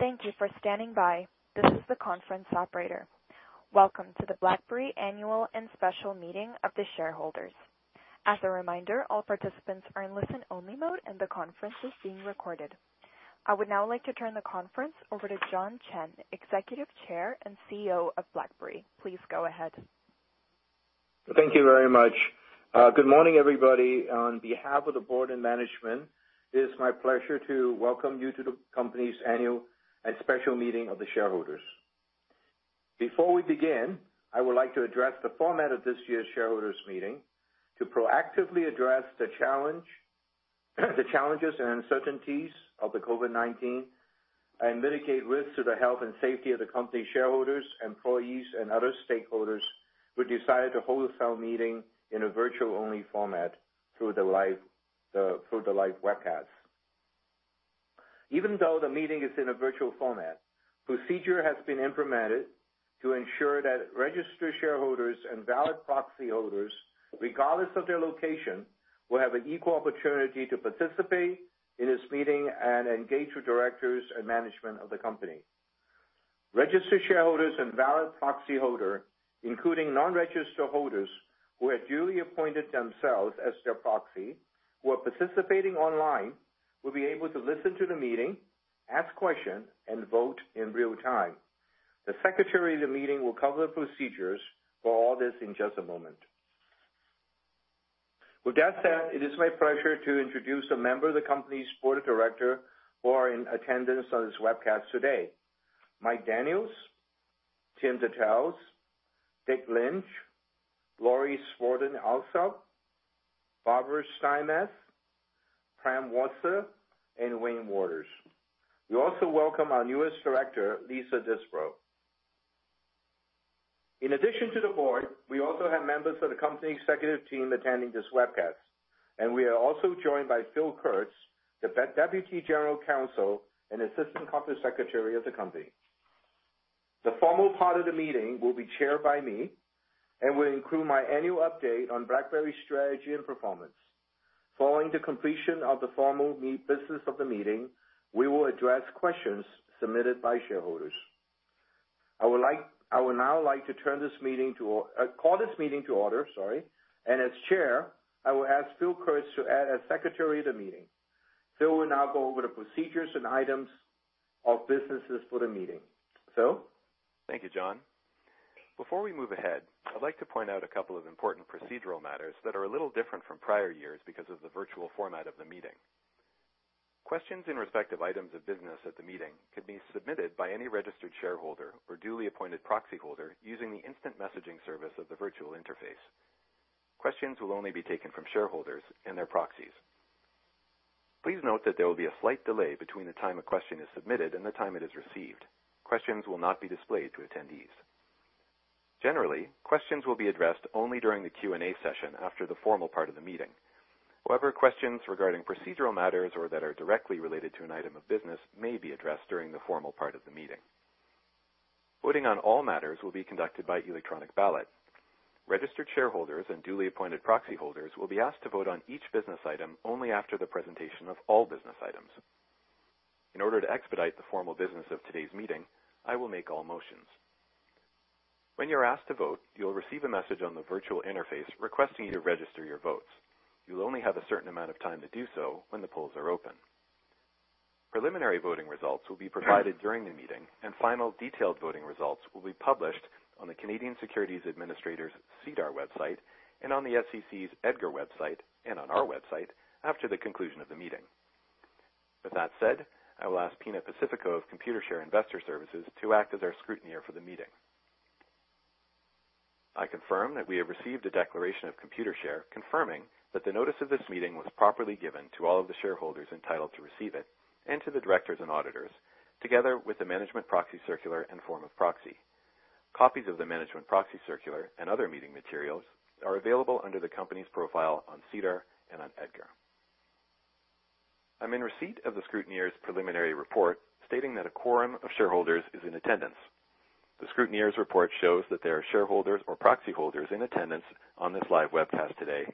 Thank you for standing by. This is the conference operator. Welcome to the BlackBerry Annual and Special Meeting of the Shareholders. As a reminder, all participants are in listen-only mode, and the conference is being recorded. I would now like to turn the conference over to John Chen, Executive Chair and CEO of BlackBerry. Please go ahead. Thank you very much. Good morning, everybody. On behalf of the Board and Management, it is my pleasure to welcome you to the company's Annual and Special Meeting of the Shareholders. Before we begin, I would like to address the format of this year's shareholders' meeting to proactively address the challenges and uncertainties of the COVID-19 and mitigate risks to the health and safety of the company shareholders, employees, and other stakeholders, we decided to hold a town meeting in a virtual-only format through the live webcast. Even though the meeting is in a virtual format, procedure has been implemented to ensure that registered shareholders and valid proxy holders, regardless of their location, will have an equal opportunity to participate in this meeting and engage with Directors and Management of the company. Registered shareholders and valid proxy holders, including non-registered holders who have duly appointed themselves as their proxy who are participating online, will be able to listen to the meeting, ask questions, and vote in real time. The Secretary of the meeting will cover the procedures for all this in just a moment. With that said, it is my pleasure to introduce a member of the company's Board of Director who are in attendance on this webcast today. Mike Daniels, Tim Dattels, Dick Lynch, Laurie Smaldone Alsup, Barbara Stymiest, Prem Watsa, and Wayne Wouters. We also welcome our newest Director, Lisa Disbrow. In addition to the board, we also have members of the company executive team attending this webcast, and we are also joined by Phil Kurtz, the Deputy General Counsel and Assistant Corporate Secretary of the company. The formal part of the meeting will be chaired by me and will include my annual update on BlackBerry's strategy and performance. Following the completion of the formal business of the meeting, we will address questions submitted by shareholders. I would now like to call this meeting to order, sorry. As Chair, I will ask Phil Kurtz to act as Secretary of the meeting. Phil will now go over the procedures and items of businesses for the meeting. Phil? Thank you, John. Before we move ahead, I'd like to point out a couple of important procedural matters that are a little different from prior years because of the virtual format of the meeting. Questions in respect of items of business at the meeting can be submitted by any registered shareholder or duly appointed proxy holder using the instant messaging service of the virtual interface. Questions will only be taken from shareholders and their proxies. Please note that there will be a slight delay between the time a question is submitted and the time it is received. Questions will not be displayed to attendees. Generally, questions will be addressed only during the Q&A session after the formal part of the meeting. However, questions regarding procedural matters or that are directly related to an item of business may be addressed during the formal part of the meeting. Voting on all matters will be conducted by electronic ballot. Registered shareholders and duly appointed proxy holders will be asked to vote on each business item only after the presentation of all business items. In order to expedite the formal business of today's meeting, I will make all motions. When you're asked to vote, you'll receive a message on the virtual interface requesting you to register your votes. You'll only have a certain amount of time to do so when the polls are open. Preliminary voting results will be provided during the meeting, and final detailed voting results will be published on the Canadian Securities Administrators' SEDAR website and on the SEC's EDGAR website, and on our website after the conclusion of the meeting. With that said, I will ask Pina Pacifico of Computershare Investor Services to act as our scrutineer for the meeting. I confirm that we have received a declaration of Computershare confirming that the notice of this meeting was properly given to all of the shareholders entitled to receive it and to the Directors and Auditors, together with the management proxy circular and form of proxy. Copies of the management proxy circular and other meeting materials are available under the company's profile on SEDAR and on EDGAR. I'm in receipt of the scrutineer's preliminary report, stating that a quorum of shareholders is in attendance. The scrutineer's report shows that there are shareholders or proxy holders in attendance on this live webcast today,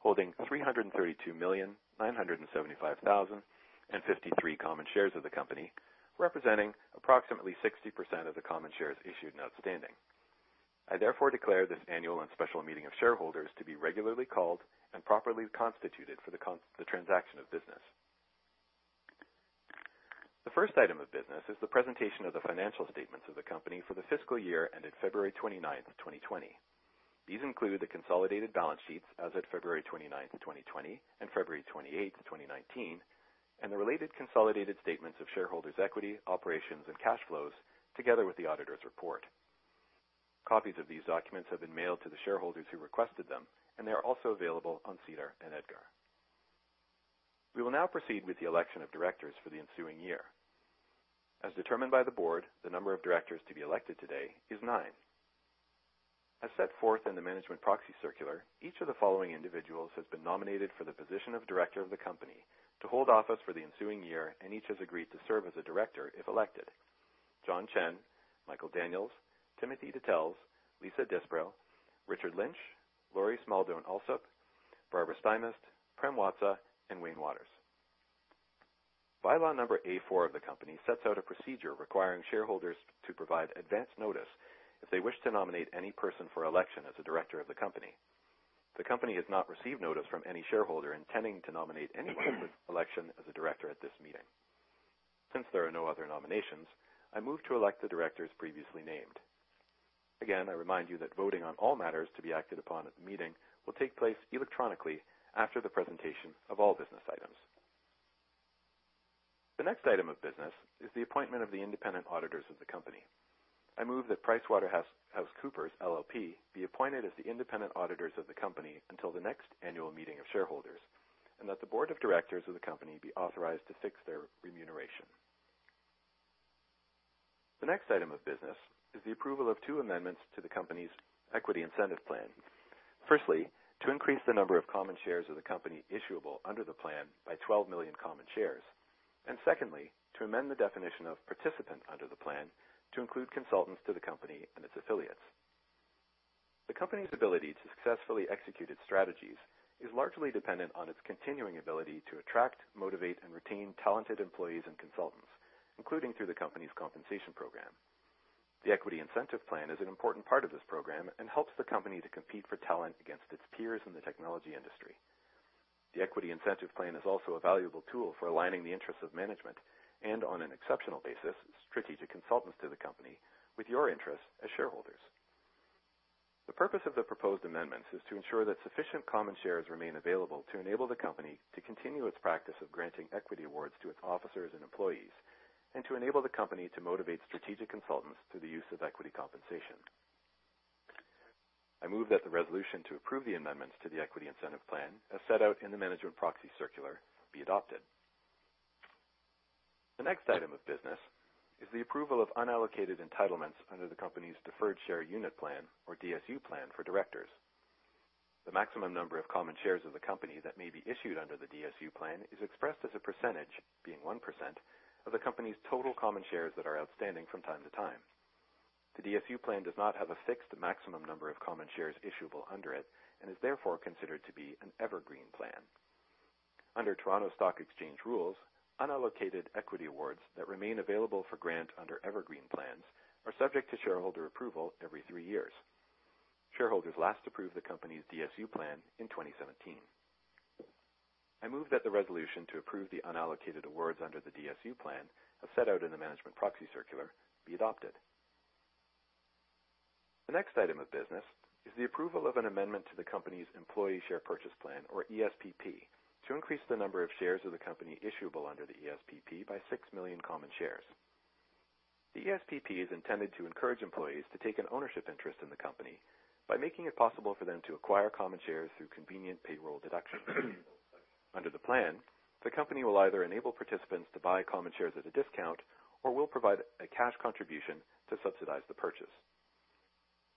holding 332,975,053 common shares of the company, representing approximately 60% of the common shares issued and outstanding. I therefore declare this Annual and Special Meeting of Shareholders to be regularly called and properly constituted for the transaction of business. The first item of business is the presentation of the financial statements of the company for the fiscal year ended February 29th, 2020. These include the consolidated balance sheets as of February 29th, 2020, and February 28th, 2019, and the related consolidated statements of shareholders' equity, operations, and cash flows, together with the auditor's report. Copies of these documents have been mailed to the shareholders who requested them, and they are also available on SEDAR and EDGAR. We will now proceed with the election of Directors for the ensuing year. As determined by the Board, the number of Directors to be elected today is nine. As set forth in the management proxy circular, each of the following individuals has been nominated for the position of Director of the company to hold office for the ensuing year, and each has agreed to serve as a Director if elected John Chen, Michael Daniels, Timothy Dattels, Lisa Disbrow, Richard Lynch, Laurie Smaldone Alsup, Barbara Stymiest, Prem Watsa, and Wayne Wouters. By-Law No. A4 of the company sets out a procedure requiring shareholders to provide advance notice if they wish to nominate any person for election as a Director of the company. The company has not received notice from any shareholder intending to nominate anyone for election as a Director at this meeting. Since there are no other nominations, I move to elect the Directors previously named. Again, I remind you that voting on all matters to be acted upon at the meeting will take place electronically after the presentation of all business items. The next item of business is the appointment of the independent auditors of the company. I move that PricewaterhouseCoopers LLP be appointed as the independent auditors of the company until the next Annual Meeting of Shareholders, and that the Board of Directors of the company be authorized to fix their remuneration. The next item of business is the approval of two amendments to the company's equity incentive plan. Firstly, to increase the number of common shares of the company issuable under the plan by 12 million common shares, and secondly, to amend the definition of participant under the plan to include consultants to the company and its affiliates. The company's ability to successfully execute its strategies is largely dependent on its continuing ability to attract, motivate, and retain talented employees and consultants, including through the company's compensation program. The equity incentive plan is an important part of this program and helps the company to compete for talent against its peers in the technology industry. The equity incentive plan is also a valuable tool for aligning the interests of management and, on an exceptional basis, strategic consultants to the company with your interests as shareholders. The purpose of the proposed amendments is to ensure that sufficient common shares remain available to enable the company to continue its practice of granting equity awards to its officers and employees, and to enable the company to motivate strategic consultants through the use of equity compensation. I move that the resolution to approve the amendments to the equity incentive plan, as set out in the management proxy circular, be adopted. The next item of business is the approval of unallocated entitlements under the company's Deferred Share Unit plan, or DSU plan, for Directors. The maximum number of common shares of the company that may be issued under the DSU plan is expressed as a percentage, being 1%, of the company's total common shares that are outstanding from time-to-time. The DSU plan does not have a fixed maximum number of common shares issuable under it and is therefore considered to be an evergreen plan. Under Toronto Stock Exchange rules, unallocated equity awards that remain available for grant under evergreen plans are subject to shareholder approval every three years. Shareholders last approved the company's DSU plan in 2017. I move that the resolution to approve the unallocated awards under the DSU plan, as set out in the management proxy circular, be adopted. The next item of business is the approval of an amendment to the company's employee share purchase plan, or ESPP, to increase the number of shares of the company issuable under the ESPP by 6 million common shares. The ESPP is intended to encourage employees to take an ownership interest in the company by making it possible for them to acquire common shares through convenient payroll deductions. Under the plan, the company will either enable participants to buy common shares at a discount or will provide a cash contribution to subsidize the purchase.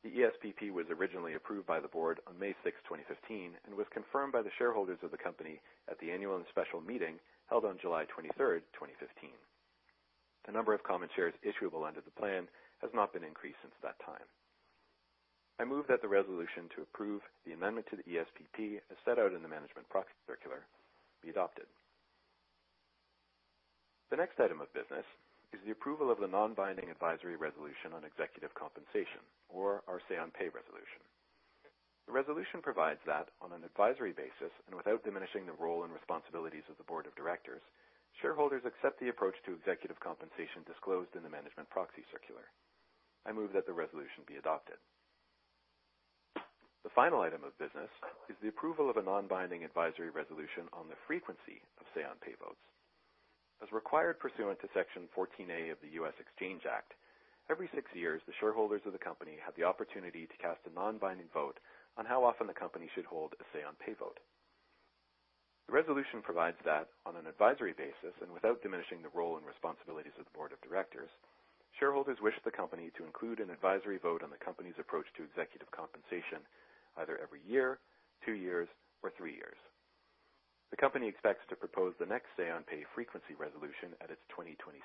The ESPP was originally approved by the Board on May 6, 2015, and was confirmed by the shareholders of the company at the Annual and Special Meeting held on July 23, 2015. The number of common shares issuable under the plan has not been increased since that time. I move that the resolution to approve the amendment to the ESPP, as set out in the management proxy circular, be adopted. The next item of business is the approval of the non-binding advisory resolution on executive compensation or our say on pay resolution. The resolution provides that on an advisory basis and without diminishing the role and responsibilities of the Board of Directors, shareholders accept the approach to executive compensation disclosed in the management proxy circular. I move that the resolution be adopted. The final item of business is the approval of a non-binding advisory resolution on the frequency of say on pay votes. As required pursuant to Section 14A of the U.S. Exchange Act, every six years, the shareholders of the company have the opportunity to cast a non-binding vote on how often the company should hold a say-on-pay vote. The resolution provides that on an advisory basis and without diminishing the role and responsibilities of the Board of Directors, shareholders wish the company to include an advisory vote on the company's approach to executive compensation either every year, two years, or three years. The company expects to propose the next say-on-pay frequency resolution at its 2026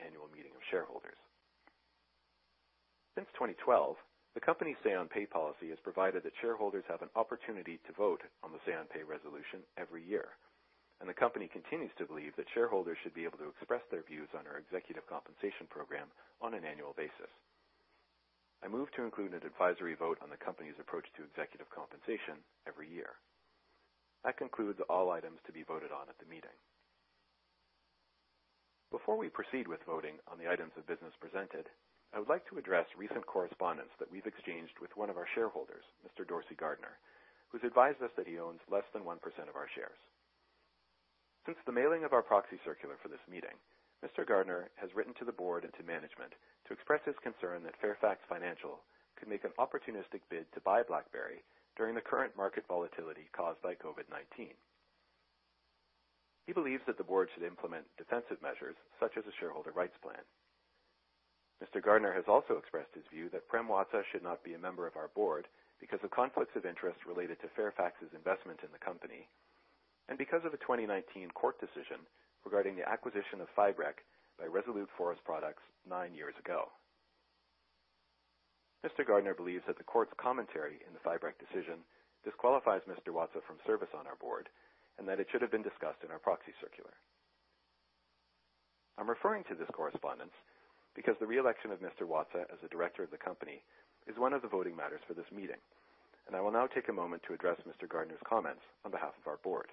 Annual Meeting of Shareholders. Since 2012, the company's say on pay policy has provided that shareholders have an opportunity to vote on the say on pay resolution every year, and the company continues to believe that shareholders should be able to express their views on our executive compensation program on an annual basis. I move to include an advisory vote on the company's approach to executive compensation every year. That concludes all items to be voted on at the meeting. Before we proceed with voting on the items of business presented, I would like to address recent correspondence that we've exchanged with one of our shareholders, Mr. Dorsey Gardner, who's advised us that he owns less than 1% of our shares. Since the mailing of our proxy circular for this meeting, Mr. Gardner has written to the Board and to management to express his concern that Fairfax Financial could make an opportunistic bid to buy BlackBerry during the current market volatility caused by COVID-19. He believes that the Board should implement defensive measures such as a shareholder rights plan. Mr. Gardner has also expressed his view that Prem Watsa should not be a member of our Board because of conflicts of interest related to Fairfax's investment in the company and because of a 2019 court decision regarding the acquisition of Fibrek by Resolute Forest Products nine years ago. Mr. Gardner believes that the court's commentary in the Fibrek decision disqualifies Mr. Watsa from service on our Board, and that it should have been discussed in our proxy circular. I'm referring to this correspondence because the re-election of Mr. Watsa as a Director of the company is one of the voting matters for this meeting, and I will now take a moment to address Mr. Gardner's comments on behalf of our Board.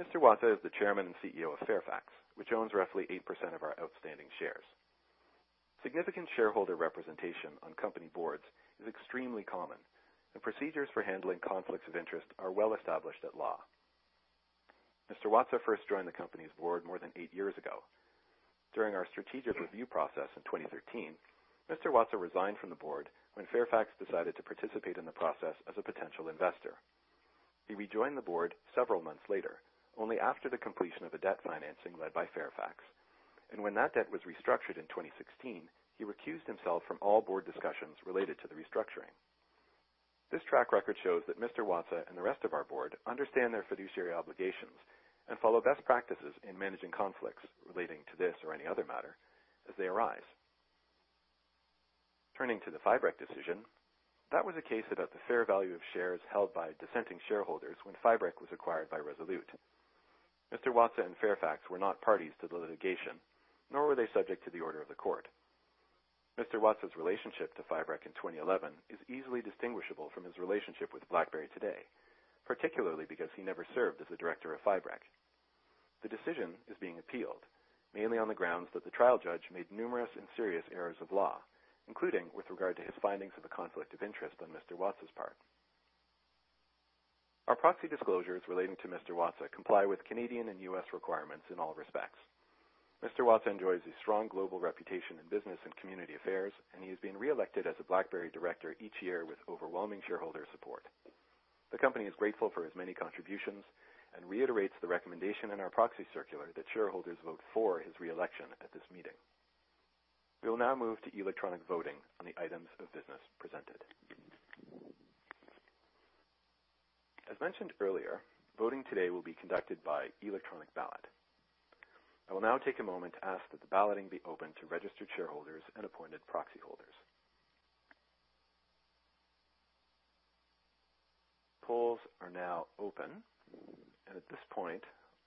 Mr. Watsa is the Chairman and CEO of Fairfax, which owns roughly 8% of our outstanding shares. Significant shareholder representation on company boards is extremely common, and procedures for handling conflicts of interest are well established at law. Mr. Watsa first joined the company's Board more than eight years ago. During our strategic review process in 2013, Mr. Watsa resigned from the Board when Fairfax decided to participate in the process as a potential investor. He rejoined the board several months later, only after the completion of a debt financing led by Fairfax. When that debt was restructured in 2016, he recused himself from all Board discussions related to the restructuring. This track record shows that Mr. Watsa and the rest of our Board understand their fiduciary obligations and follow best practices in managing conflicts relating to this or any other matter as they arise. Turning to the Fibrek decision, that was a case about the fair value of shares held by dissenting shareholders when Fibrek was acquired by Resolute. Mr. Watsa and Fairfax were not parties to the litigation, nor were they subject to the order of the court. Mr. Watsa's relationship to Fibrek in 2011 is easily distinguishable from his relationship with BlackBerry today, particularly because he never served as a Director of Fibrek. The decision is being appealed mainly on the grounds that the trial judge made numerous and serious errors of law, including with regard to his findings of a conflict of interest on Mr. Watsa's part. Our proxy disclosures relating to Mr. Watsa comply with Canadian and U.S. requirements in all respects. Mr. Watsa enjoys a strong global reputation in business and community affairs, and he has been re-elected as a BlackBerry Director each year with overwhelming shareholder support. The company is grateful for his many contributions and reiterates the recommendation in our proxy circular that shareholders vote for his re-election at this meeting. We will now move to electronic voting on the items of business presented. As mentioned earlier, voting today will be conducted by electronic ballot. I will now take a moment to ask that the balloting be open to registered shareholders and appointed proxy holders. Polls are now open. At this point,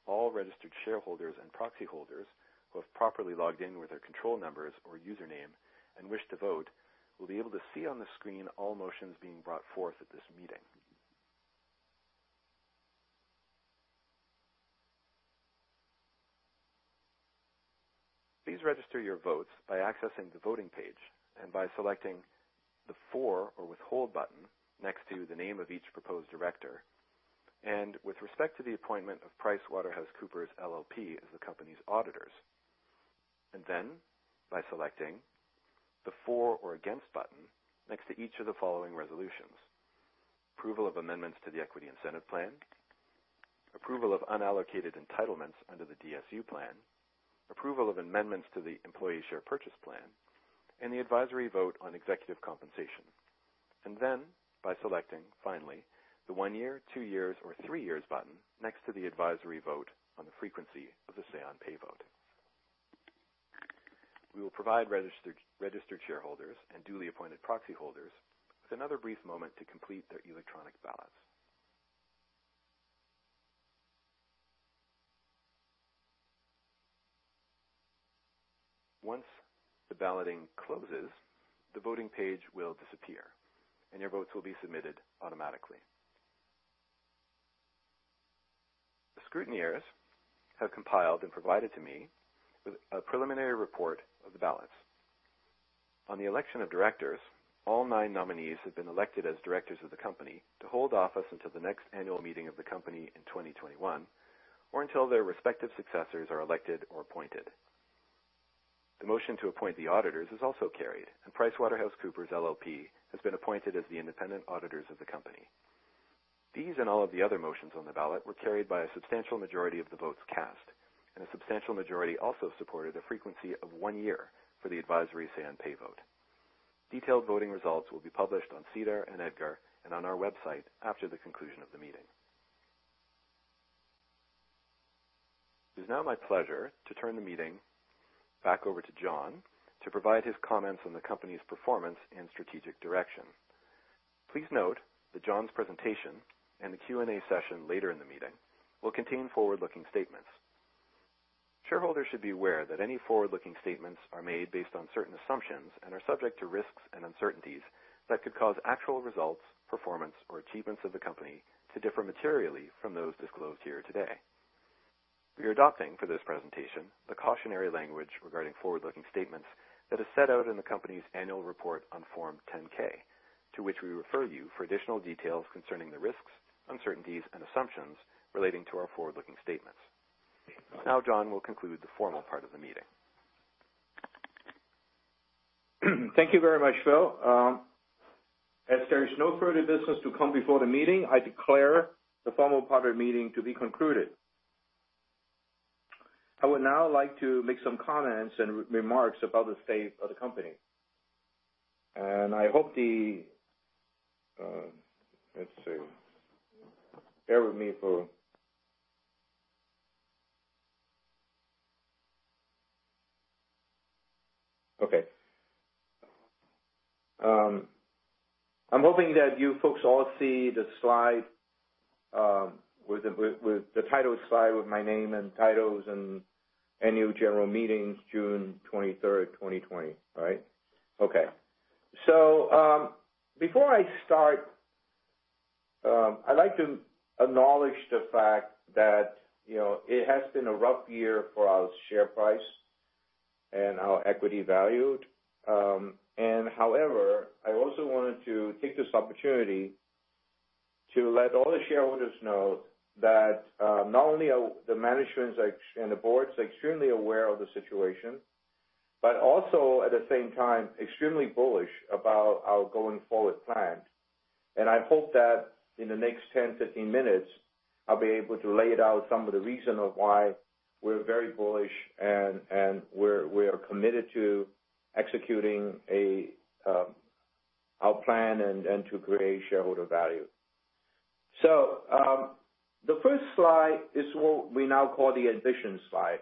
all registered shareholders and proxy holders who have properly logged in with their control numbers or username and wish to vote will be able to see on the screen all motions being brought forth at this meeting. Please register your votes by accessing the voting page and by selecting the For or Withhold button next to the name of each proposed Director, and with respect to the appointment of PricewaterhouseCoopers LLP as the company's auditors. By selecting the For or Against button next to each of the following resolutions: Approval of amendments to the equity incentive plan, approval of unallocated entitlements under the DSU plan, approval of amendments to the employee share purchase plan, and the advisory vote on executive compensation. By selecting, finally, the one year, two years, or three years button next to the advisory vote on the frequency of the say-on-pay vote. We will provide registered shareholders and duly appointed proxy holders with another brief moment to complete their electronic ballots. Once the balloting closes, the voting page will disappear, and your votes will be submitted automatically. The scrutineers have compiled and provided to me a preliminary report of the ballots. On the election of Directors, all nine nominees have been elected as Directors of the company to hold office until the next Annual Meeting of the company in 2021, or until their respective successors are elected or appointed. The motion to appoint the auditors is also carried, and PricewaterhouseCoopers LLP has been appointed as the independent auditors of the company. These and all of the other motions on the ballot were carried by a substantial majority of the votes cast, and a substantial majority also supported a frequency of one year for the advisory say-on-pay vote. Detailed voting results will be published on SEDAR and EDGAR and on our website after the conclusion of the meeting. It is now my pleasure to turn the meeting back over to John to provide his comments on the company's performance and strategic direction. Please note that John's presentation and the Q&A session later in the meeting will contain forward-looking statements. Shareholders should be aware that any forward-looking statements are made based on certain assumptions and are subject to risks and uncertainties that could cause actual results, performance, or achievements of the company to differ materially from those disclosed here today. We are adopting for this presentation the cautionary language regarding forward-looking statements that is set out in the company's annual report on Form 10-K, to which we refer you for additional details concerning the risks, uncertainties, and assumptions relating to our forward-looking statements. John will conclude the formal part of the meeting. Thank you very much, Phil. As there is no further business to come before the meeting, I declare the formal part of the meeting to be concluded. I would now like to make some comments and remarks about the state of the company. I'm hoping that you folks all see the slide, the title slide with my name and titles and Annual General Meeting, June 23rd, 2020, right? Okay. Before I start, I'd like to acknowledge the fact that it has been a rough year for our share price and our equity value. However, I also wanted to take this opportunity to let all the shareholders know that not only are the Management and the Board extremely aware of the situation, but also, at the same time, extremely bullish about our going forward plans. I hope that in the next 10-15 minutes, I'll be able to lay it out some of the reason of why we're very bullish and we're committed to executing our plan and to create shareholder value. The first slide is what we now call the ambition slide.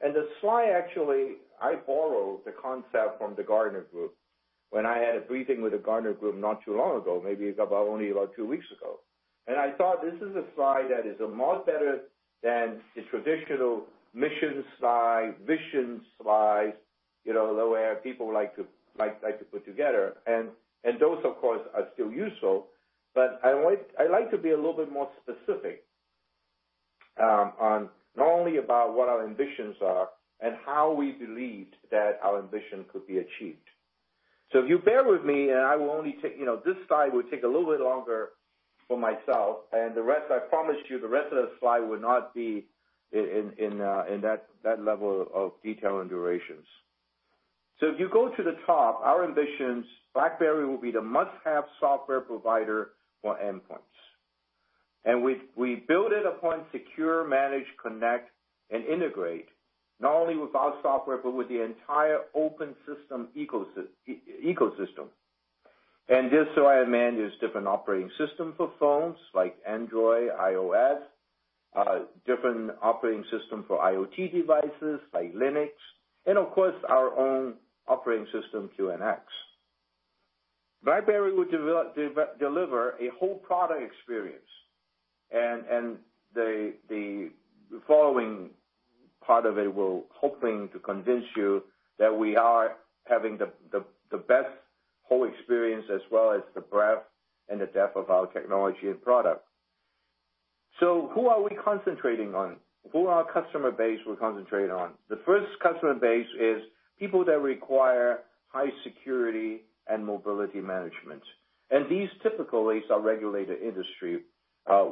The slide, actually, I borrowed the concept from the Gartner Group when I had a briefing with the Gartner Group not too long ago, maybe about only about two weeks ago. I thought this is a slide that is a much better than the traditional mission slide, vision slide, the way people like to put together. Those, of course, are still useful, but I like to be a little bit more specific on not only about what our ambitions are and how we believe that our ambition could be achieved. If you bear with me, this slide will take a little bit longer for myself and the rest. I promise you, the rest of the slide will not be in that level of detail and durations. If you go to the top, our ambitions, BlackBerry will be the must-have software provider for endpoints. We build it upon secure, manage, connect, and integrate, not only with our software, but with the entire open system ecosystem. This slide manages different operating systems for phones like Android, iOS, different operating system for IoT devices like Linux, and of course, our own operating system, QNX. BlackBerry will deliver a whole product experience, the following part of it will hoping to convince you that we are having the best whole experience as well as the breadth and the depth of our technology and product. Who are we concentrating on? Who our customer base will concentrate on? The first customer base is people that require high security and mobility management. These typically are regulated industry,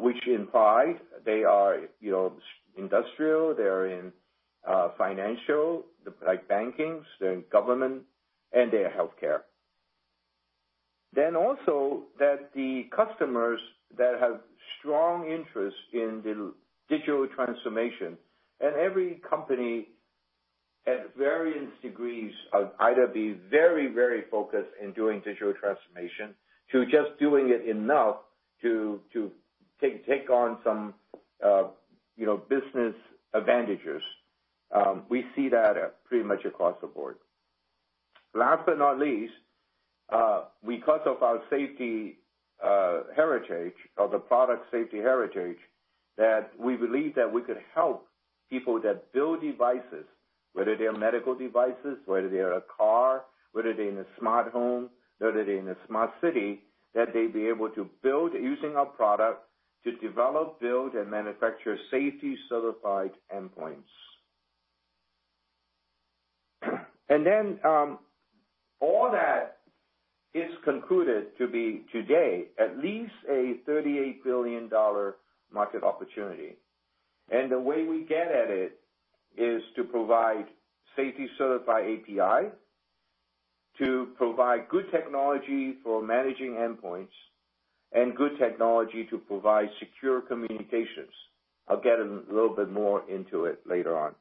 which imply they are industrial, they're in financial, like banking, they're in government, and they are healthcare. The customers that have strong interest in the digital transformation, every company at various degrees are either very, very focused in doing digital transformation to just doing it enough to take on some business advantages. We see that pretty much across the Board. Last but not least, because of our safety heritage, of the product safety heritage, that we believe that we could help people that build devices, whether they are medical devices, whether they are a car, whether they're in a smart home, whether they're in a smart city, that they'd be able to build using our product to develop, build, and manufacture safety-certified endpoints. All that is concluded to be today at least a $38 billion market opportunity. The way we get at it is to provide safety-certified API, to provide good technology for managing endpoints, and good technology to provide secure communications. I'll get a little bit more into it later on.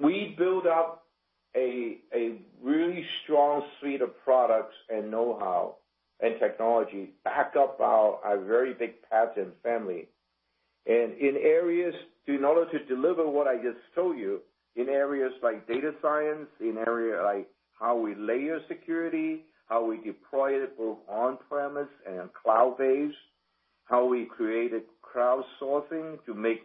We build up a really strong suite of products and knowhow and technology back up our very big patent family. In areas, in order to deliver what I just told you, in areas like data science, in area like how we layer security, how we deploy it both on-premise and cloud-based, how we created crowdsourcing to make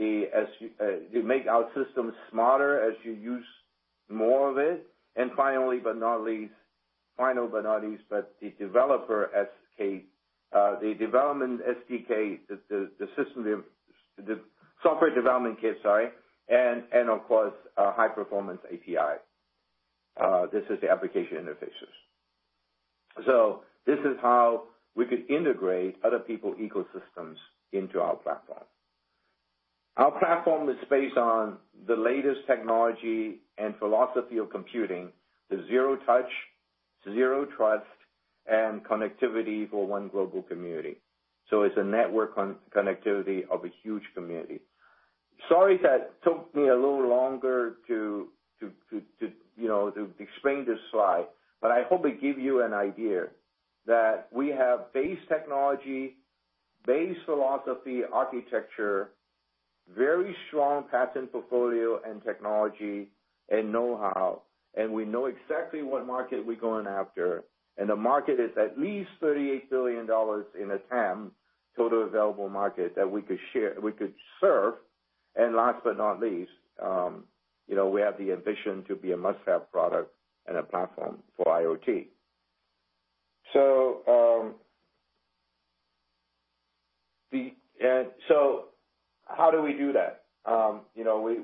our systems smarter as you use more of it. Finally but not least, the software development kit, and of course, our high-performance API. This is the application interfaces. This is how we could integrate other people ecosystems into our platform. Our platform is based on the latest technology and philosophy of computing, the Zero Trust and connectivity for one global community. It's a network connectivity of a huge community. Sorry that took me a little longer to explain this slide, but I hope it give you an idea that we have base technology, base philosophy, architecture, very strong patent portfolio and technology and know-how, and we know exactly what market we're going after. The market is at least $38 billion in a TAM, total available market, that we could serve. Last but not least, we have the ambition to be a must-have product and a platform for IoT. How do we do that?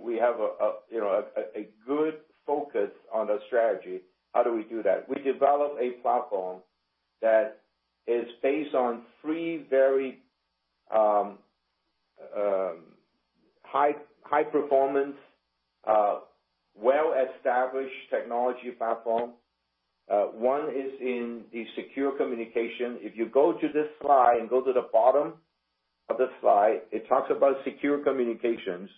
We have a good focus on the strategy. How do we do that? We develop a platform that is based on three very high performance, well-established technology platform. One is in the secure communication. If you go to this slide and go to the bottom of the slide, it talks about secure communications.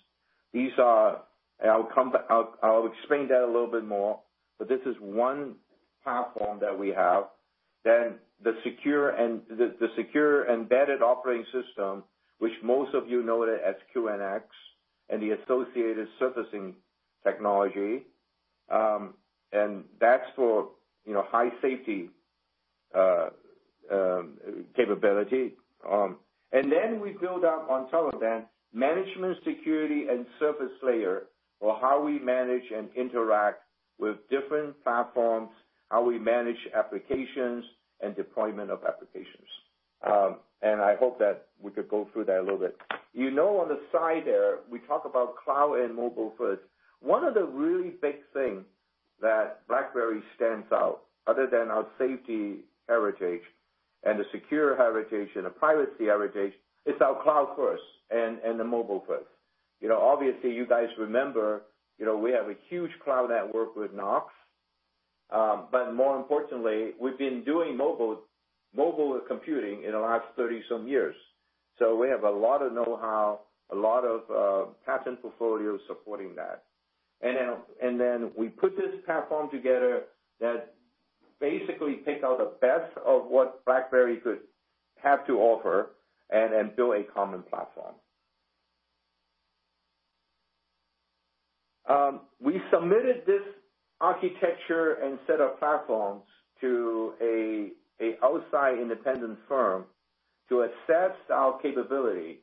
I'll explain that a little bit more. This is one platform that we have. The secure embedded operating system, which most of you know it as QNX, and the associated servicing technology, and that's for high safety capability. We build up on top of that, management security and surface layer, or how we manage and interact with different platforms, how we manage applications and deployment of applications. I hope that we could go through that a little bit. You know on the side there, we talk about cloud and mobile first. One of the really big thing that BlackBerry stands out, other than our safety heritage and the secure heritage and the privacy heritage, is our cloud first and the mobile first. Obviously, you guys remember, we have a huge cloud network with NOC. More importantly, we've been doing mobile computing in the last 30-some years. We have a lot of know-how, a lot of patent portfolios supporting that. We put this platform together that basically takes out the best of what BlackBerry could have to offer and build a common platform. We submitted this architecture and set of platforms to an outside independent firm to assess our capability.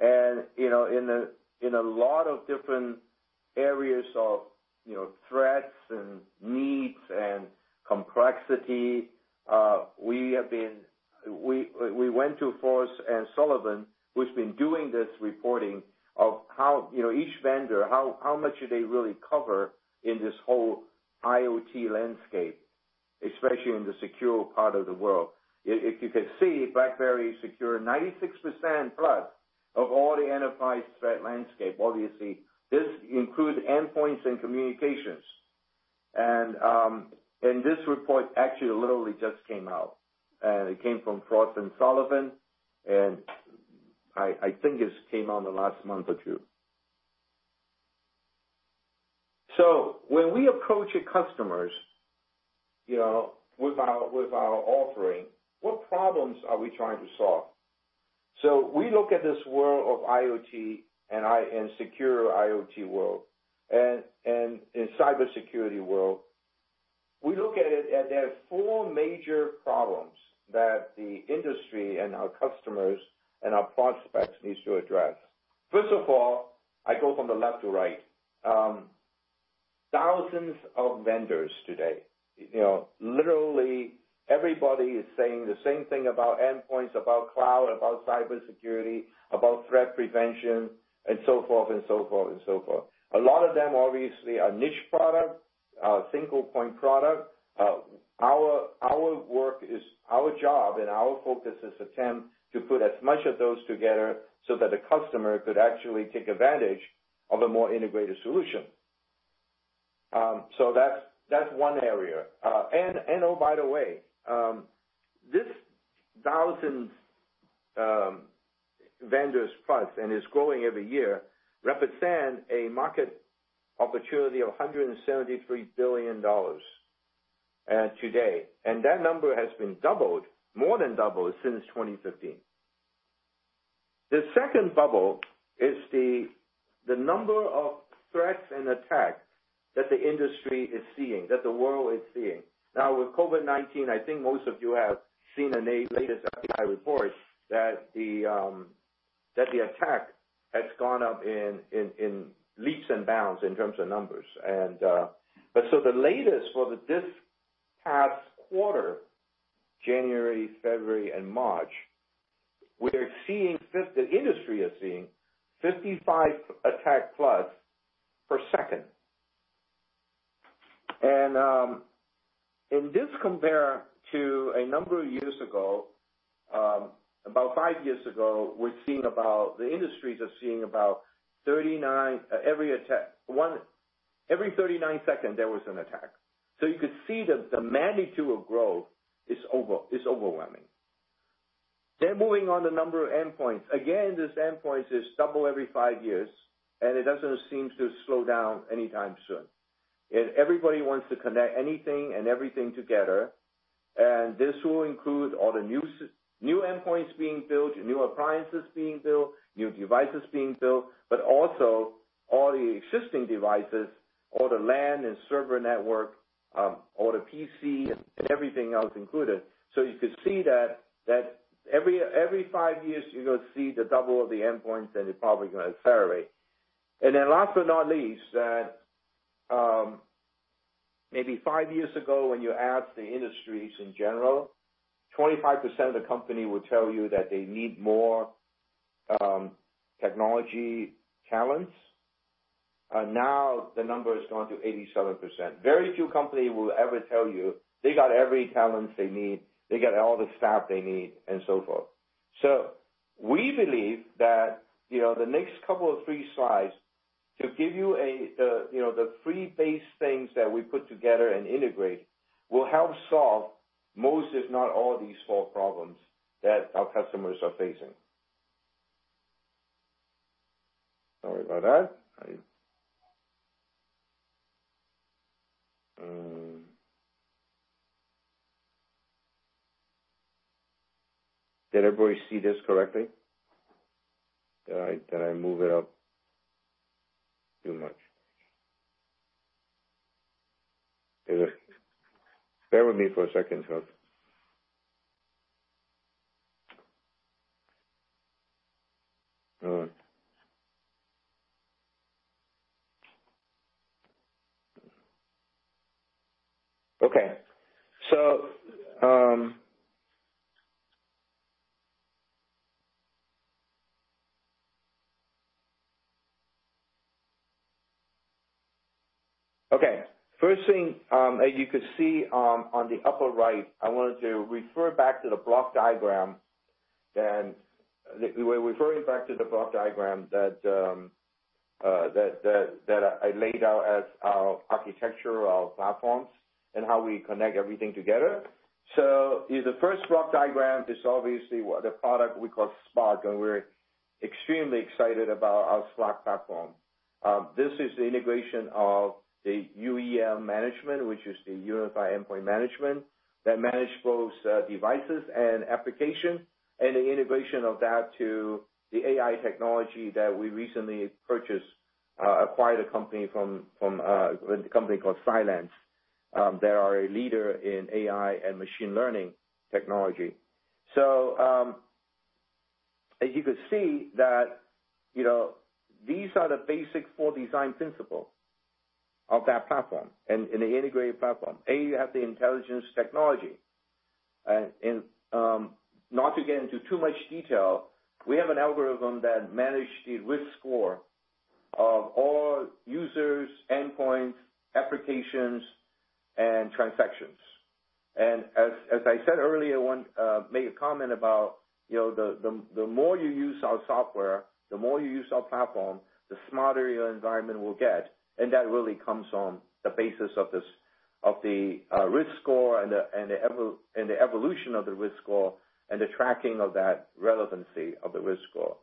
In a lot of different areas of threats and needs and complexity, we went to Frost & Sullivan, who's been doing this reporting of how each vendor, how much do they really cover in this whole IoT landscape, especially in the secure part of the world. If you could see, BlackBerry secure 96%+ of all the enterprise threat landscape. Obviously, this includes endpoints and communications. This report actually literally just came out, and it came from Frost & Sullivan, and I think it came out in the last month or two. When we approach customers with our offering, what problems are we trying to solve? We look at this world of IoT and secure IoT world, and in cybersecurity world. We look at it, and there are four major problems that the industry and our customers and our prospects needs to address. First of all, I go from the left to right. Thousands of vendors today. Literally everybody is saying the same thing about endpoints, about cloud, about cybersecurity, about threat prevention, and so forth. A lot of them obviously are niche product, are single point product. Our work, our job and our focus is attempt to put as much of those together so that the customer could actually take advantage of a more integrated solution. That's one area. Oh, by the way, this thousands vendors plus, and is growing every year, represent a market opportunity of $173 billion today. That number has been more than doubled since 2015. The second bubble is the number of threats and attacks that the industry is seeing, that the world is seeing. With COVID-19, I think most of you have seen the latest FBI reports that the attack has gone up in leaps and bounds in terms of numbers. The latest for this past quarter, January, February, and March, the industry is seeing 55 attack plus per second. This compare to a number of years ago-about five years ago, the industries are seeing about every 39 seconds, there was an attack. You could see that the magnitude of growth is overwhelming. Moving on to number of endpoints. Again, these endpoints just double every five years, and it doesn't seem to slow down anytime soon. Everybody wants to connect anything and everything together. This will include all the new endpoints being built, new appliances being built, new devices being built, but also all the existing devices, all the LAN and server network, all the PC, and everything else included. You could see that every five years, you're going to see the double of the endpoints, and it's probably going to accelerate. Last but not least, that maybe five years ago, when you asked the industries in general, 25% of the company would tell you that they need more technology talents. Now the number has gone to 87%. Very few company will ever tell you they got every talent they need, they got all the staff they need, and so forth. We believe that, the next couple of three slides to give you the three base things that we put together and integrate, will help solve most, if not all, these four problems that our customers are facing. Sorry about that. Did everybody see this correctly? Did I move it up too much? Bear with me for a second, folks. Okay. First thing that you could see on the upper right, I wanted to refer back to the block diagram. We're referring back to the block diagram that I laid out as our architecture, our platforms, and how we connect everything together. The first block diagram is obviously the product we call Spark, and we're extremely excited about our Spark platform. This is the integration of the UEM management, which is the Unified Endpoint Management, that manage both devices and application. The integration of that to the AI technology that we recently purchased, acquired a company called Cylance. They are a leader in AI and machine learning technology. As you could see that, these are the basic four design principle of that platform and the integrated platform. A, you have the intelligence technology. Not to get into too much detail, we have an algorithm that manage the risk score of all users, endpoints, applications, and transactions. As I said earlier, made a comment about the more you use our software, the more you use our platform, the smarter your environment will get, and that really comes on the basis of the risk score and the evolution of the risk score and the tracking of that relevancy of the risk score.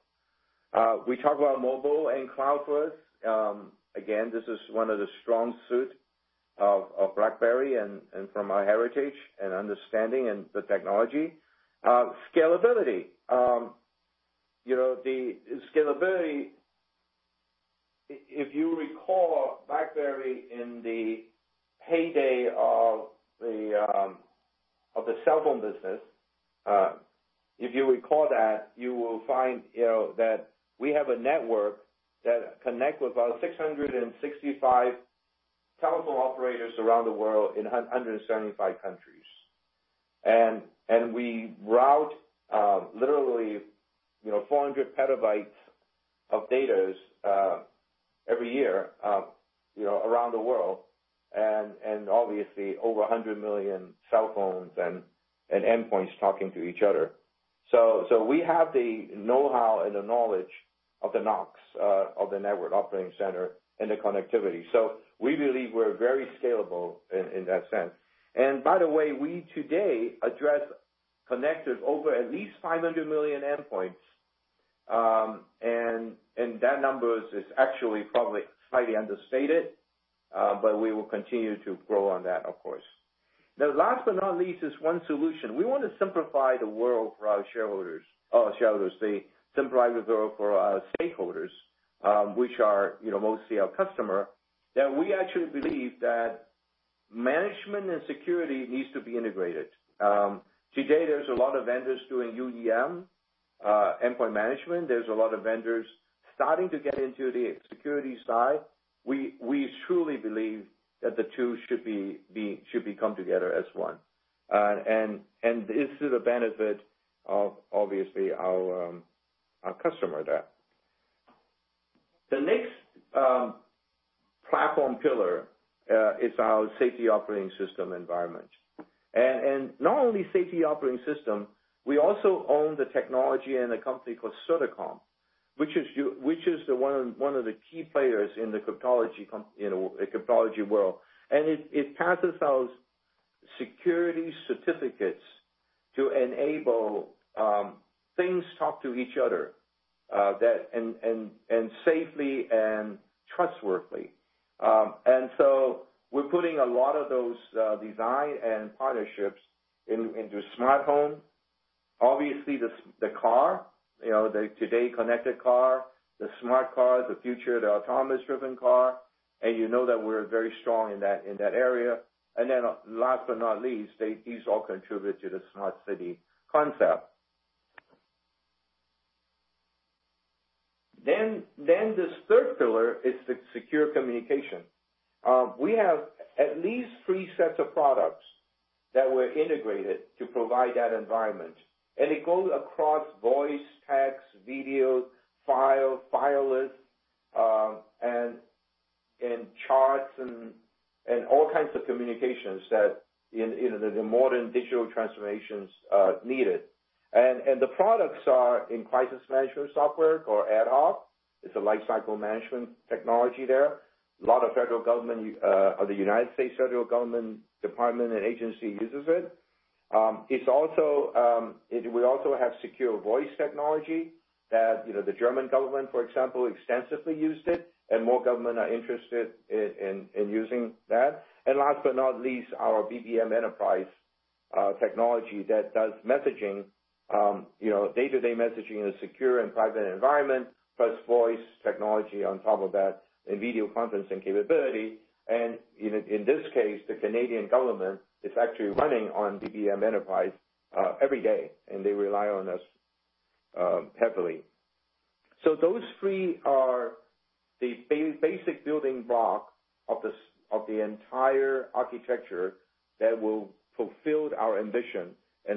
We talk about mobile and cloud first. Again, this is one of the strong suit of BlackBerry and from our heritage and understanding and the technology. Scalability. The scalability, if you recall, BlackBerry in the heyday of the cellphone business, if you recall that, you will find that we have a network that connect with about 665 telephone operators around the world in 175 countries. We route literally 400 PB of data every year around the world. Obviously, over 100 million cell phones and endpoints talking to each other. We have the know-how and the knowledge of the NOCs, of the Network Operations Center, and the connectivity. We believe we're very scalable in that sense. By the way, we today address connectors over at least 500 million endpoints. That number is actually probably slightly understated, but we will continue to grow on that, of course. Last but not least, is one solution. We want to simplify the world for our shareholders. Simplify the world for our stakeholders, which are mostly our customer, that we actually believe that management and security needs to be integrated. Today, there's a lot of vendors doing UEM, endpoint management. There's a lot of vendors starting to get into the security side. We truly believe that the two should be come together as one. This is the benefit of, obviously, our customer there. The next platform pillar is our safety operating system environment. Not only safety operating system, we also own the technology and a company called Certicom, which is one of the key players in the cryptology world. It passes out security certificates to enable things talk to each other, and safely and trustworthy. We're putting a lot of those design and partnerships into smart home. Obviously, the car, the today connected car, the smart car, the future of the autonomous-driven car, and you know that we're very strong in that area. Last but not least, these all contribute to the smart city concept. This third pillar is the secure communication. We have at least three sets of products that were integrated to provide that environment. It goes across voice, text, video, file, file-less, and charts, and all kinds of communications that the modern digital transformations needed. The products are in crisis management software called AtHoc. It's a lifecycle management technology there. A lot of the United States federal government department and agency uses it. We also have secure voice technology that the German government, for example, extensively used it, and more government are interested in using that. Last but not least, our BBM Enterprise technology that does messaging, day-to-day messaging in a secure and private environment, plus voice technology on top of that, and video conferencing capability. In this case, the Canadian government is actually running on BBM Enterprise every day, and they rely on us heavily. Those three are the basic building block of the entire architecture that will fulfill our ambition.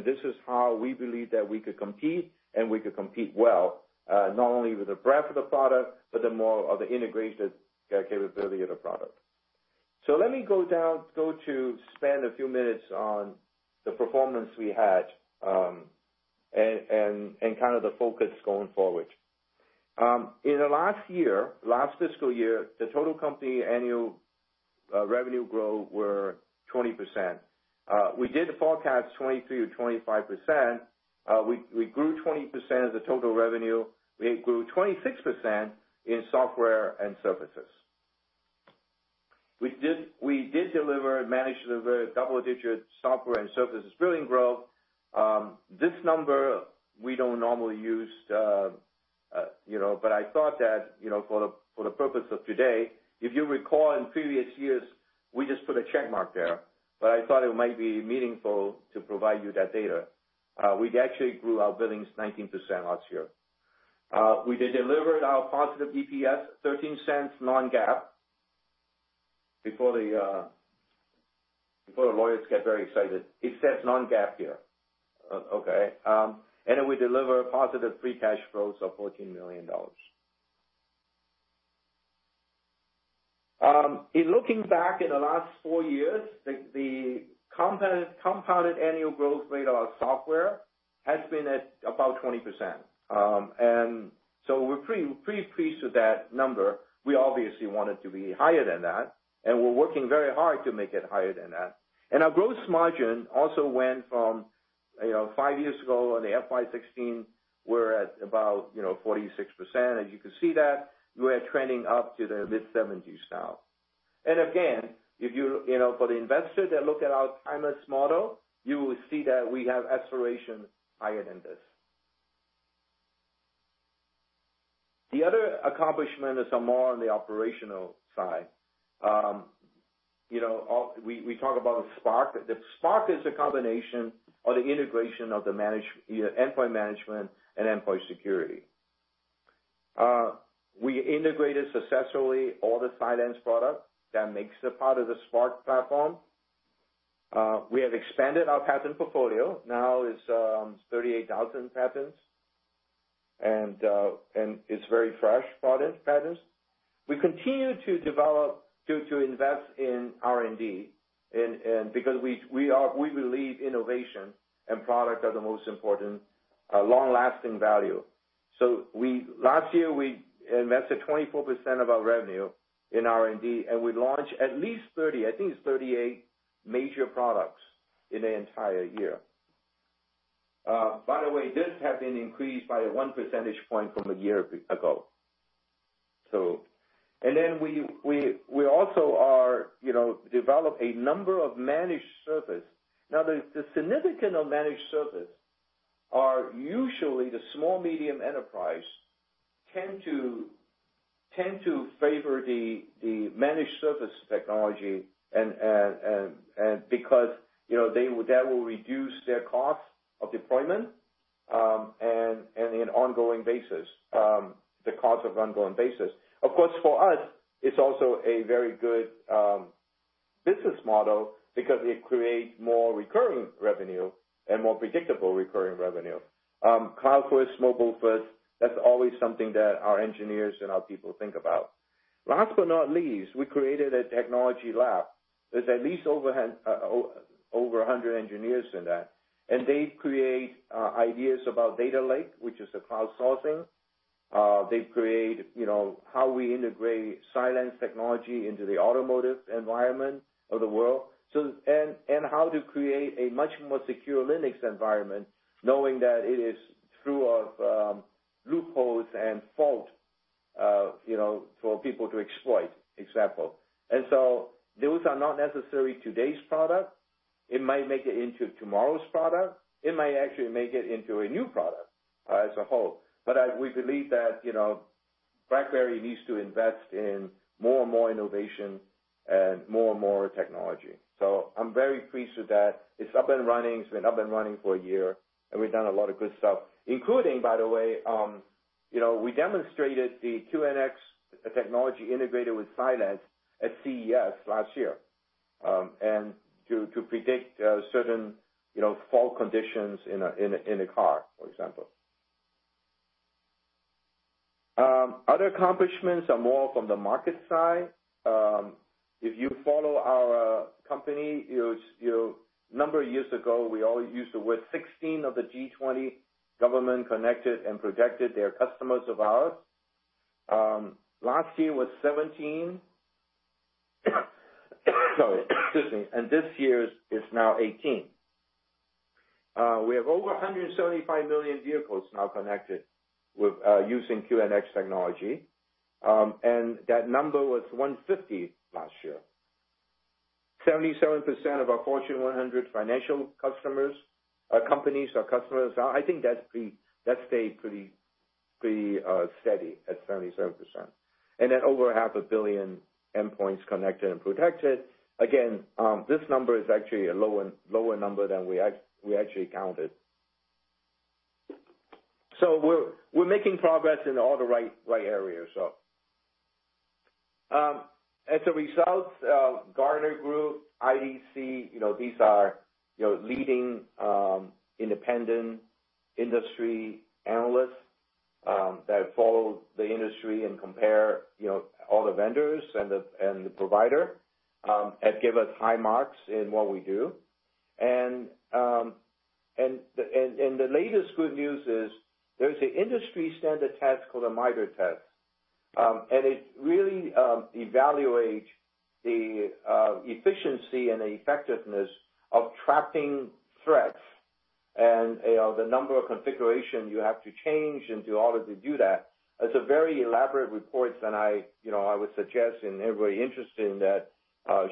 This is how we believe that we could compete, and we could compete well, not only with the breadth of the product, but the more of the integration capability of the product. Let me go to spend a few minutes on the performance we had, and the focus going forward. In the last year, last fiscal year, the total company annual revenue growth were 20%. We did forecast 23%-25%. We grew 20% of the total revenue. We grew 26% in software and services. We did manage to deliver double-digit software and services billing growth. This number we don't normally use, but I thought that for the purpose of today, if you recall in previous years, we just put a check mark there. I thought it might be meaningful to provide you that data. We actually grew our billings 19% last year. We did deliver our positive EPS, $0.13 non-GAAP. Before the lawyers get very excited, it says non-GAAP here. Okay. Then we deliver positive free cash flows of $14 million. In looking back in the last four years, the compounded annual growth rate of our software has been at about 20%. So we're pretty pleased with that number. We obviously want it to be higher than that, and we're working very hard to make it higher than that. Our gross margin also went from five years ago on the FY 2016, we're at about 46%, as you can see that. We are trending up to the mid-70%s now. Again, for the investor that look at our timeless model, you will see that we have aspiration higher than this. The other accomplishment is more on the operational side. We talk about the Spark. The Spark is a combination of the integration of the endpoint management and endpoint security. We integrated successfully all the Cylance product that makes it part of the Spark platform. We have expanded our patent portfolio. Now it's 38,000 patents, and it's very fresh product patents. We continue to develop, to invest in R&D, because we believe innovation and product are the most important long-lasting value. Last year, we invested 24% of our revenue in R&D, and we launched at least 30, I think it's 38 major products in the entire year. By the way, this has been increased by 1 percentage point from a year ago. We also developed a number of managed service. Now, the significance of managed service are usually the small-medium enterprise tend to favor the managed service technology, and because that will reduce their cost of deployment, and on an ongoing basis, the cost on an ongoing basis. Of course, for us, it's also a very good business model because it creates more recurring revenue and more predictable recurring revenue. Cloud-first, mobile-first, that's always something that our engineers and our people think about. Last but not least, we created a technology lab. There's at least over 100 engineers in that, and they create ideas about data lake, which is a crowdsourcing. They create how we integrate Cylance technology into the automotive environment of the world, and how to create a much more secure Linux environment, knowing that it is through loopholes and fault for people to exploit, example. Those are not necessarily today's product. It might make it into tomorrow's product. It might actually make it into a new product as a whole. We believe that BlackBerry needs to invest in more and more innovation and more and more technology. I'm very pleased with that. It's up and running. It's been up and running for a year, and we've done a lot of good stuff, including, by the way, we demonstrated the QNX technology integrated with Cylance at CES last year, and to predict certain fault conditions in a car, for example. Other accomplishments are more from the market side. If you follow our company, a number of years ago, we always used the word 16 of the G20 government connected and protected. They are customers of ours. Last year was 17. Sorry. Excuse me. This year is now 18. We have over 175 million vehicles now connected using QNX technology. That number was 150 last year. 77% of our Fortune 100 financial customers, companies or customers, I think that stayed pretty steady at 77%. Over half a billion endpoints connected and protected. Again, this number is actually a lower number than we actually counted. We're making progress in all the right areas. As a result, Gartner Group, IDC, these are leading independent industry analysts that follow the industry and compare all the vendors and the provider, have given us high marks in what we do. The latest good news is there's an industry standard test called a MITRE test, and it really evaluates the efficiency and the effectiveness of trapping threats and the number of configurations you have to change in order to do that. It's a very elaborate report, and I would suggest anybody interested in that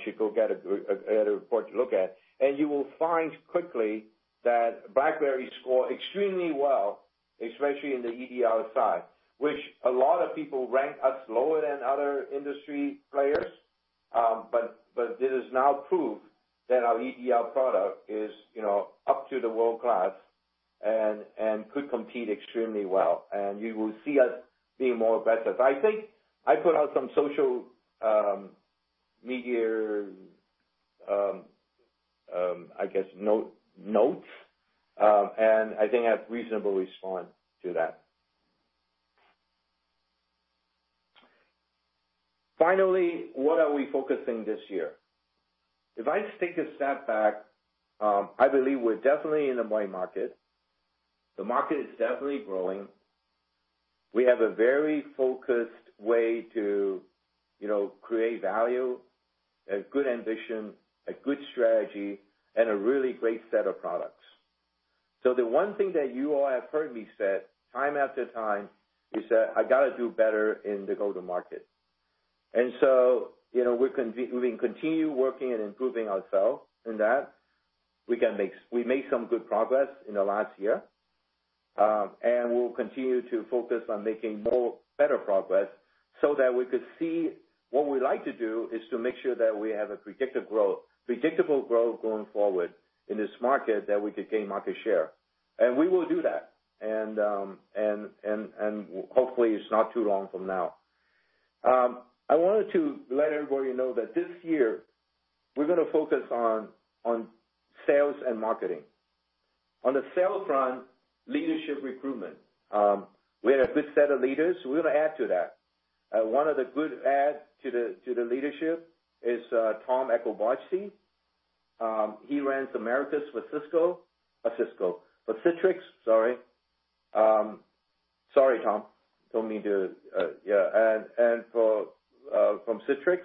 should go get a report to look at. You will find quickly that BlackBerry scored extremely well, especially in the EDR side, which a lot of people rank us lower than other industry players. It is now proved that our EDR product is up to the world-class and could compete extremely well. You will see us being more aggressive. I think I put out some social media notes, and I think I've reasonably responded to that. Finally, what are we focusing this year? If I take a step back, I believe we're definitely in a bull market. The market is definitely growing. We have a very focused way to create value, a good ambition, a good strategy, and a really great set of products. The one thing that you all have heard me say time after time is that I got to do better in the go-to-market. We've been continuing working and improving ourselves in that. We made some good progress in the last year, and we'll continue to focus on making more better progress so that we could see what we like to do is to make sure that we have a predictable growth going forward in this market that we could gain market share. We will do that. Hopefully, it's not too long from now. I wanted to let everybody know that this year, we're going to focus on sales and marketing. On the sales front, leadership recruitment. We had a good set of leaders. We're going to add to that. One of the good adds to the leadership is Tom Eacobacci. He ran Americas for Cisco. For Citrix, sorry, Tom. From Citrix.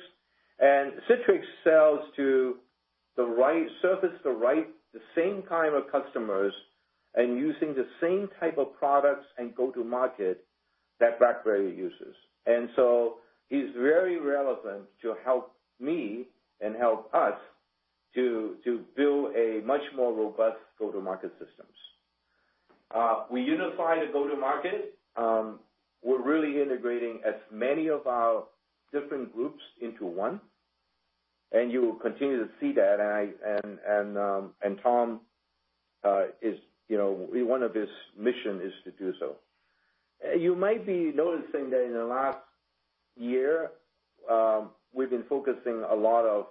Citrix sells to the right surface, the same kind of customers, and using the same type of products and go-to-market that BlackBerry uses. He's very relevant to help me and help us to build a much more robust go-to-market systems. We unify the go-to-market. We're really integrating as many of our different groups into one, and you will continue to see that. Tom, one of his mission is to do so. You might be noticing that in the last year, we've been focusing a lot on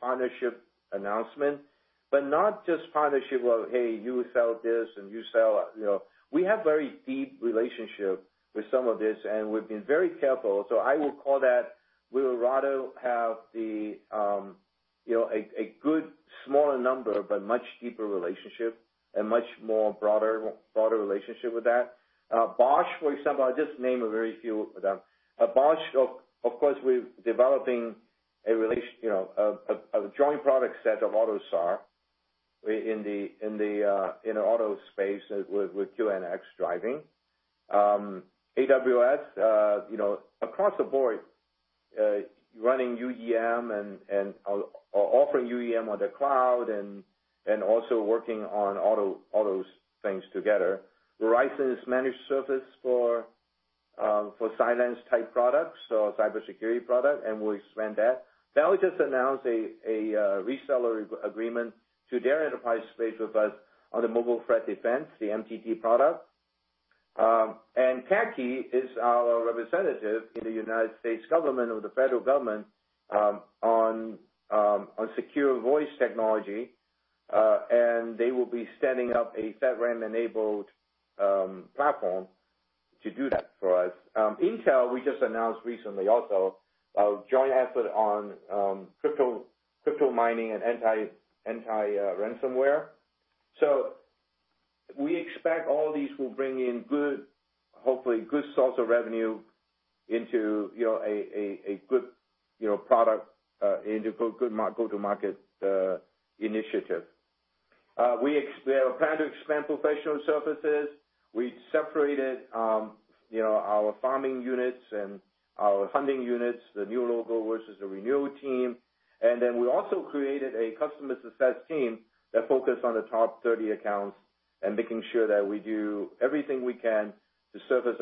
partnership announcements, but not just partnerships like, hey, you sell this, and you sell. We have very deep relationships with some of these, and we've been very careful. I will call that, we would rather have a good smaller number, but much deeper relationship and much broader relationship with that. Bosch, for example, I'll just name a very few of them. Bosch, of course, we're developing a joint product set of AUTOSAR in the auto space with QNX driving. AWS, across the board, running UEM and offering UEM on the cloud and also working on all those things together. Verizon's managed service for Cylance-type products, so cybersecurity product, and we expand that. Now we just announced a reseller agreement to their enterprise space with us on the mobile threat defense, the MTD product. CACI is our representative in the United States government or the federal government on secure voice technology, and they will be standing up a FedRAMP-enabled platform to do that for us. Intel, we just announced recently also, a joint effort on crypto mining and anti-ransomware. We expect all these will bring in good, hopefully, good source of revenue into a good product, into good go-to-market initiative. We plan to expand professional services. We separated our farming units and our hunting units, the new logo versus the renewal team. We also created a customer success team that focus on the top 30 accounts and making sure that we do everything we can to service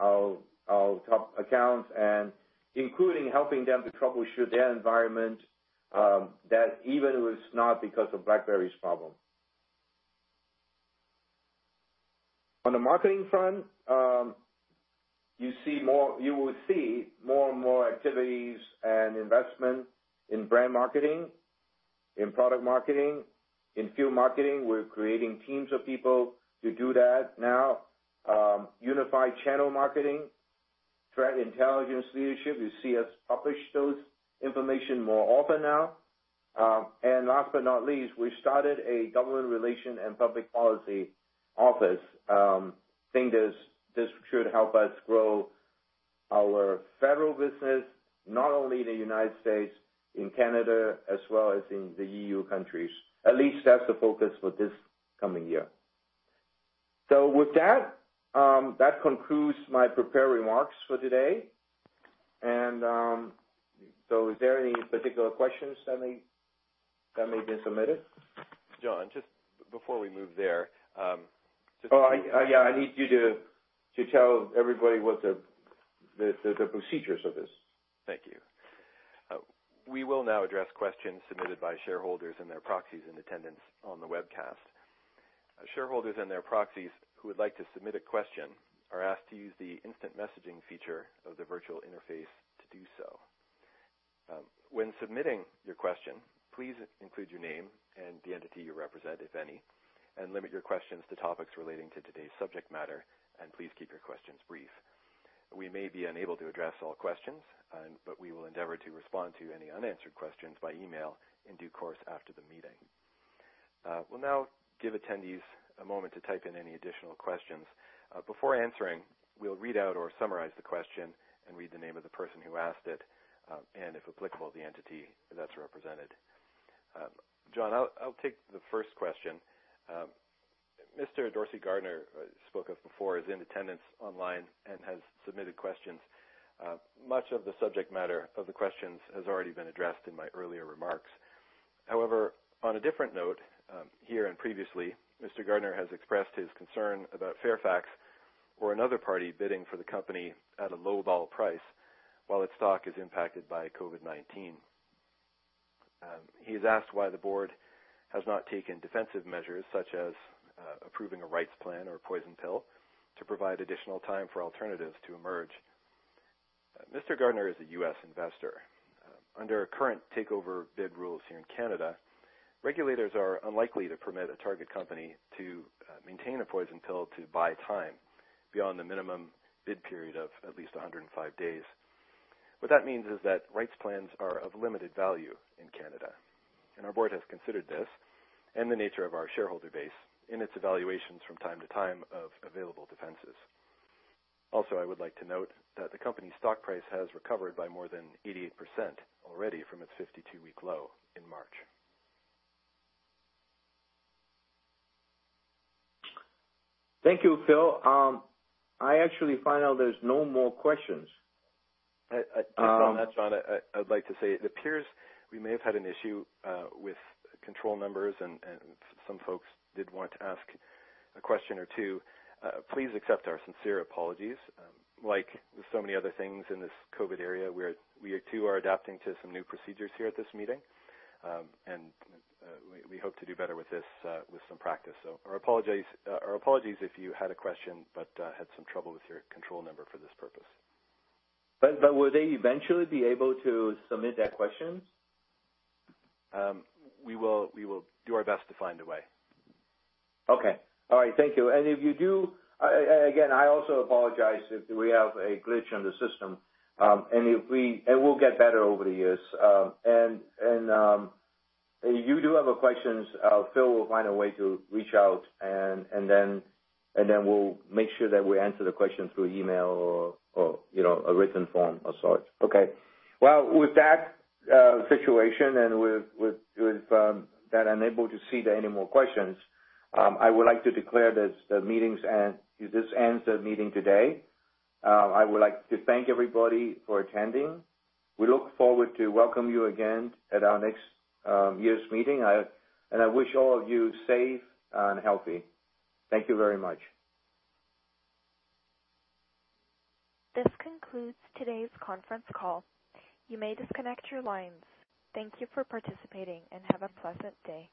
our top accounts, including helping them to troubleshoot their environment that even was not because of BlackBerry's problem. On the marketing front, you will see more and more activities and investment in brand marketing, in product marketing, in field marketing. We're creating teams of people to do that now. Unified channel marketing, threat intelligence leadership. You see us publish those information more often now. Last but not least, we started a government relation and public policy office. Think this should help us grow our federal business, not only in the United States, in Canada, as well as in the EU countries. At least that's the focus for this coming year. With that concludes my prepared remarks for today. Is there any particular questions that may have been submitted? John, just before we move there. Oh, yeah, I need you to tell everybody what the procedures of this. Thank you. We will now address questions submitted by shareholders and their proxies in attendance on the webcast. Shareholders and their proxies who would like to submit a question are asked to use the instant messaging feature of the virtual interface to do so. When submitting your question, please include your name and the entity you represent, if any, and limit your questions to topics relating to today's subject matter, and please keep your questions brief. We may be unable to address all questions, but we will endeavor to respond to any unanswered questions by email in due course after the meeting. We'll now give attendees a moment to type in any additional questions. Before answering, we'll read out or summarize the question and read the name of the person who asked it, and if applicable, the entity that's represented. John, I'll take the first question. Mr. Dorsey Gardner, I spoke of before, is in attendance online and has submitted questions. Much of the subject matter of the questions has already been addressed in my earlier remarks. However, on a different note, here and previously, Mr. Gardner has expressed his concern about Fairfax or another party bidding for the company at a lowball price while its stock is impacted by COVID-19. He's asked why the Board has not taken defensive measures, such as approving a rights plan or a poison pill to provide additional time for alternatives to emerge. Mr. Gardner is a U.S. investor. Under our current takeover bid rules here in Canada, regulators are unlikely to permit a target company to maintain a poison pill to buy time beyond the minimum bid period of at least 105 days. What that means is that rights plans are of limited value in Canada, and our board has considered this and the nature of our shareholder base in its evaluations from time to time of available defenses. Also, I would like to note that the company's stock price has recovered by more than 88% already from its 52-week low in March. Thank you, Phil. I actually find out there's no more questions. Just on that, John, I'd like to say it appears we may have had an issue with control numbers, some folks did want to ask a question or two. Please accept our sincere apologies. Like with so many other things in this COVID-era, we too are adapting to some new procedures here at this meeting. We hope to do better with this with some practice. Our apologies if you had a question, but had some trouble with your control number for this purpose. Will they eventually be able to submit their questions? We will do our best to find a way. Okay. All right. Thank you. If you do, again, I also apologize if we have a glitch on the system. It will get better over the years. If you do have questions, Phil will find a way to reach out, and then we'll make sure that we answer the question through email or a written form of sorts. Okay. Well, with that situation and with that I'm unable to see any more questions, I would like to declare that this ends the meeting today. I would like to thank everybody for attending. We look forward to welcome you again at our next year's meeting. I wish all of you safe and healthy. Thank you very much. This concludes today's conference call. You may disconnect your lines. Thank you for participating, and have a pleasant day.